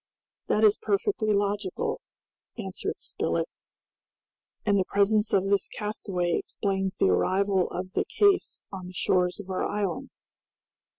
"That is perfectly logical," answered Spilett; "and the presence of this castaway explains the arrival of the case on the shores of our island.